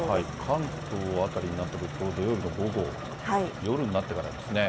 関東辺りになってくると、土曜日の午後、夜になってからですね。